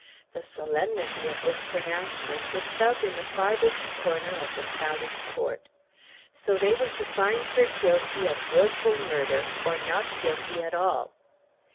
The solemnity of this pronouncement was felt in the farthest corner of the crowded court. So they were to find her guilty of wilful murder, or not guilty at all!